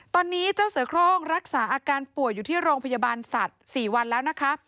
ตอนนี้เจ้าเสือโครงรักษาอาการป่วยอยู่ที่โรงพยาบาลสัตว์๔วันแล้วนะคะ